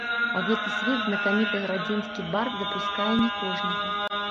А ў гэты свет знакаміты гарадзенскі бард дапускае не кожнага.